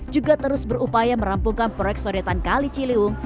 juga terus berupaya merampungkan proyek sodetan kali ciliwung